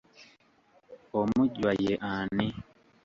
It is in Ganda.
Omujjwa ye ani?